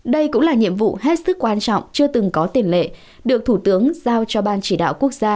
đây cũng là nhiệm vụ hết sức quan trọng chưa từng có tiền lệ được thủ tướng giao cho ban chỉ đạo quốc gia